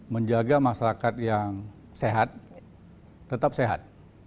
menjaga masyarakat yang sehat tetap sehat